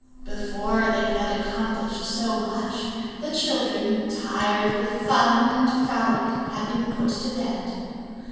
"Before they had accomplished so much, the children, tired with fun and frolic, had been put to bed.